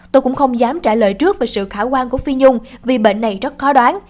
tôi cũng không dám trả lời trước về sự khả quan của phi nhung vì bệnh này rất khó đoán